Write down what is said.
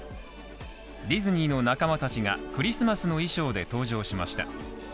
ディズニーの仲間たちがクリスマスの衣装で登場しました。